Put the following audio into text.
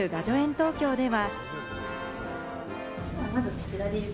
東京では。